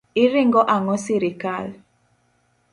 Iringo ang'o sirikal.